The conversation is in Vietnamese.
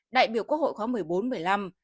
đại biểu quốc hội khóa một mươi bốn một mươi năm